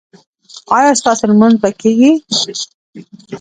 ایا ستاسو لمونځ به کیږي؟